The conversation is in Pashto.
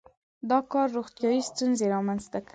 • دا کار روغتیايي ستونزې رامنځته کړې.